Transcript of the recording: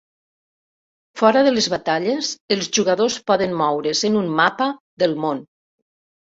Fora de les batalles, els jugadors poden moure's en un mapa del món.